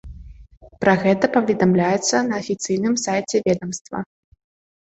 Пра гэта паведамляецца на афіцыйным сайце ведамства.